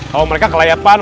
kalau mereka kelayapan